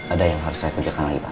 ada yang harus saya kerjakan lagi pak